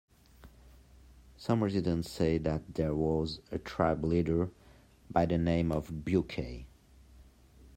Some residents say that there was a tribe leader by the name of Bucay.